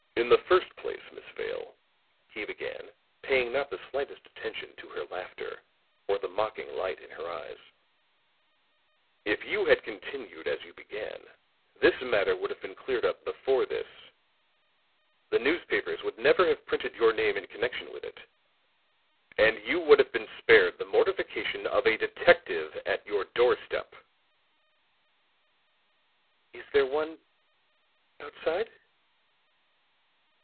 "In the first place, Miss Vale," he began, paying not the slightest attention to her laughter or the mocking light in her eyes, "if you had continued as you began, this matter would have been cleared up before this, the newspapers would never have printed your name in connection with it, and you would have been spared the mortification of a detective at your doorstep." "Is there one outside?"